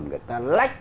người ta lách